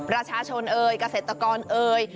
ราชาชนเอ๋ยกาเศรษฐกรเอ๋ย